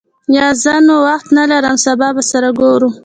یا، زه نن وخت نه لرم سبا به سره ګورو.